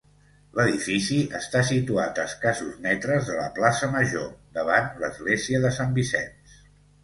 L'edifici està situat a escassos metres de la plaça Major, davant l'església de Sant Vicenç.